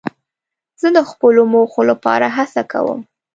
زه د خپلو موخو لپاره هڅه کوم.